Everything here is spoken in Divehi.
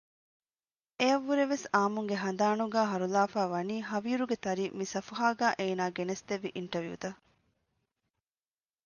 އެއަށް ވުރެ ވެސް އާއްމުންގެ ހަނދާނުގައި ހަރުލާފައިވަނީ ހަވީރުގެ ތަރި މި ސަފުހާގައި އޭނާ ގެނެސްދެއްވި އިންޓަވިއުތައް